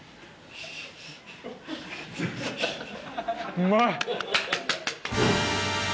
うまい！